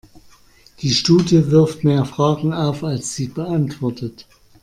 Die Studie wirft mehr Fragen auf, als sie beantwortet.